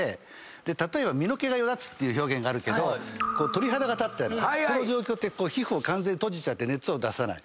例えば身の毛がよだつっていう表現があるけど鳥肌が立ってるこの状況って皮膚を完全に閉じちゃって熱を出さない。